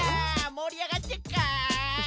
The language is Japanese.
もりあがってっかい？